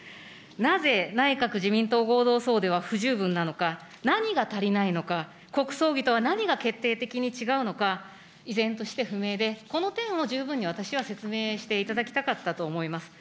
なぜ、内閣・自民党合同葬では不十分なのか、何が足りないのか、国葬儀とは何が決定的に違うのか、依然として不明で、この点を十分に私は説明していただきたかったと思います。